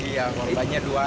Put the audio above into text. iya korbannya dua